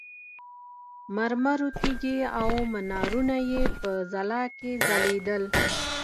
مرمرو تیږې او منارونه یې په ځلا کې ځلېدل.